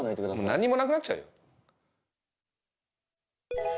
何もなくなっちゃうよ。